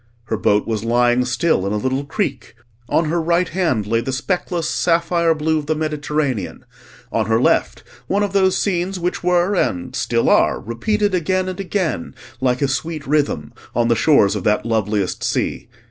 Her boat was lying still in a little creek; on her right hand lay the speckless sapphire blue of the Mediterranean; on her left one of those scenes which were and still are repeated again and again like a sweet rhythm, on the shores of that loveliest sea.